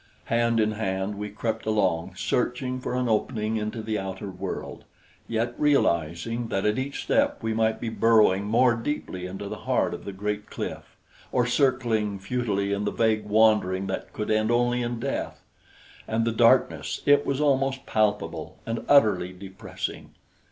Hand in hand we crept along, searching for an opening into the outer world, yet realizing that at each step we might be burrowing more deeply into the heart of the great cliff, or circling futilely in the vague wandering that could end only in death. And the darkness! It was almost palpable, and utterly depressing.